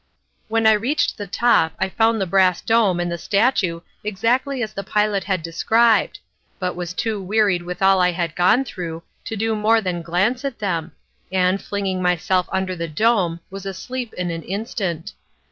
When I reached the top I found the brass dome and the statue exactly as the pilot had described, but was too wearied with all I had gone through to do more than glance at them, and, flinging myself under the dome, was asleep in an instant.